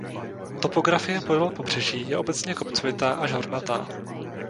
Topografie podél pobřeží je obecně kopcovitá až hornatá.